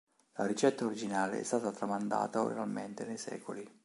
La ricetta originale è stata tramandata oralmente nei secoli.